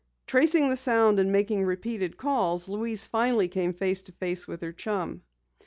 Tracing the sound, and making repeated calls, Louise finally came face to face with her chum.